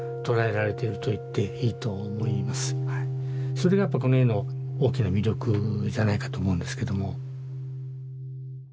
それがやっぱこの絵の大きな魅力じゃないかと思うんですけども。